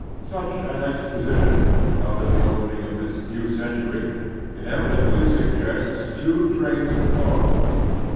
Such an exposition, held at the open ing of this new century, inevitably suggests two trains of thought.